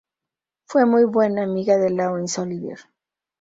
Fue muy buena amiga de Laurence Olivier.